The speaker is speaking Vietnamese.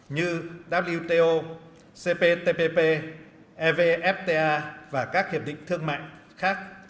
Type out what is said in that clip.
như wto cptpp evfta và các hiệp định thương mại khác